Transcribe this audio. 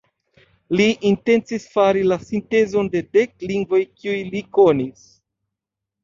Li intencis fari la sintezon de dek lingvoj kiuj li konis.